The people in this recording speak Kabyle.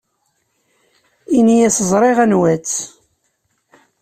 Ini-as ẓriɣ anwa-tt.